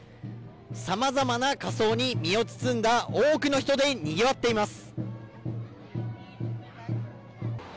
様々な仮装に身を包んだ多くの人で賑わっています。